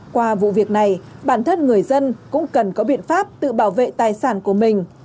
qua vụ việc này bản thân người dân cũng cần có biện pháp tự bảo vệ tài sản của mình